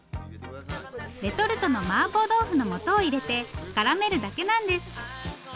レトルトのマーボー豆腐のもとを入れてからめるだけなんです。